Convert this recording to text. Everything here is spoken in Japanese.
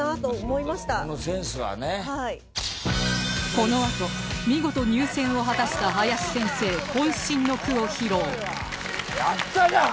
このあと見事入選を果たした林先生渾身の句を披露やったじゃん！